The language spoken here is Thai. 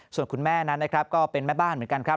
ส่วนคุณแม่นั้นนะครับก็เป็นแม่บ้านเหมือนกันครับ